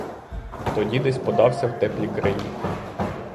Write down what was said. Тоді десь подався в теплі краї.